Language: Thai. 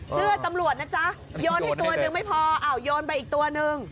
ตำรวจนะจ๊ะโยนให้ตัวหนึ่งไม่พออ้าวโยนไปอีกตัวนึง